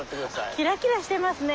キラキラしてますね。